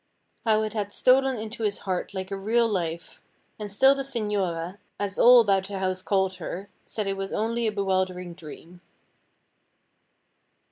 How it had stolen into his heart like a real life, and still the señora, as all about the house called her, said it was only a bewildering dream.